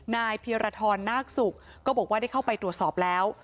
เพียรทรนาคศุกร์ก็บอกว่าได้เข้าไปตรวจสอบแล้ว